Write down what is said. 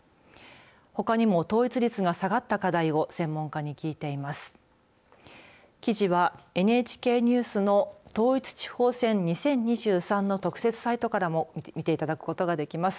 ほかにも統一率が下がった課題を専門家に聞いています。